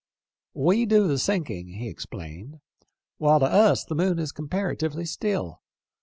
' We do the sinking,' he explained ;' while to us the moon is comparatively still.